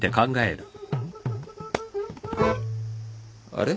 あれ？